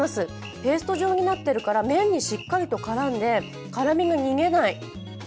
ペースト状になっているから、麺にしっかりと絡んで辛みが逃げない。